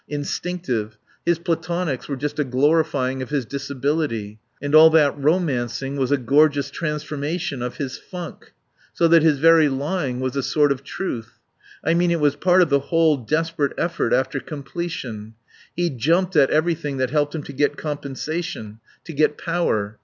Instinctive. His platonics were just a glorifying of his disability. All that romancing was a gorgeous transformation of his funk.... So that his very lying was a sort of truth. I mean it was part of the whole desperate effort after completion. He jumped at everything that helped him to get compensation, to get power.